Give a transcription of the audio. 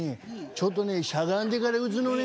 ちょっとねしゃがんでから打つのね。